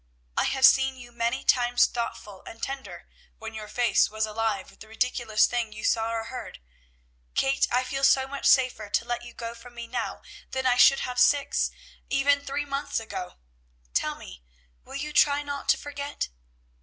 I have seen you many times thoughtful and tender, when your face was alive with the ridiculous thing you saw or heard. Kate, I feel so much safer to let you go from me now than I should have six, even three months ago. Tell me, will you try not to forget?"